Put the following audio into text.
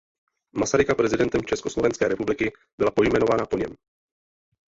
Masaryka prezidentem Československé republiky byla pojmenována po něm.